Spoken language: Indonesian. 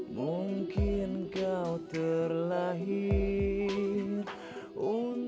mungkin kau terlahir